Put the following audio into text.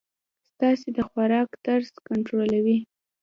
ستاسي د خوراک طرز کنټرولوی.